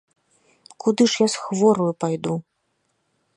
Куды ж я з хвораю пайду!